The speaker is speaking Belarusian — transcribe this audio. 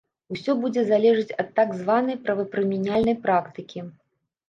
Усё будзе залежыць ад так званай правапрымяняльнай практыкі.